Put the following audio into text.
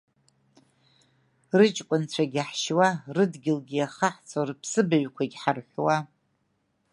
Рыҷкәынцәагь ҳшьуа, рыдгьылгьы иахаҳцо, рыԥсыбаҩқәа ҳарҳәуа…